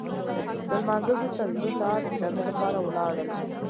له لمانځه وروسته د یو ساعت دمې لپاره ولاړل.